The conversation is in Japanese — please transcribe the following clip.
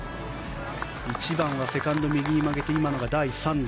１番はセカンドを右に曲げて第３打。